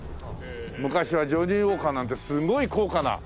昔はジョニーウォーカーなんてすごい高価な。